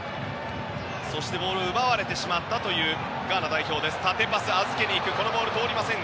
ボールを奪われてしまったガーナ代表です。